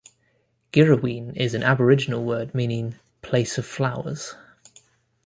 Girraween is an Aboriginal word meaning "place of flowers".